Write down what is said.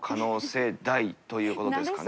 大ということですかね。